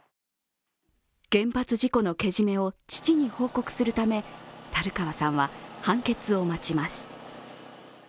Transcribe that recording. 原発事故のけじめを父に報告するため、樽川さんは判決を待ちます。